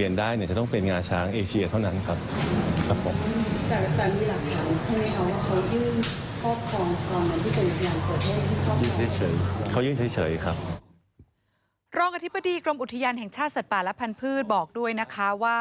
อธิบดีกรมอุทยานแห่งชาติสัตว์ป่าและพันธุ์บอกด้วยนะคะว่า